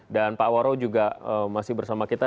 dan pak waro juga masih bersama kita